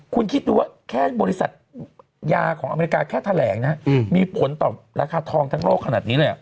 คุณคิดดูว่าแค่บริษัทยาของอเมริกาแค่แถลงนะมีผลต่อราคาทองทั้งโลกขนาดนี้เลย